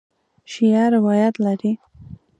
شیعه روایت لري.